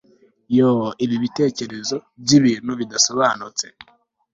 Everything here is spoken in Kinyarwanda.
yoo! ibi bitekerezo byibintu bidasobanutse